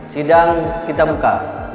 sidang kita buka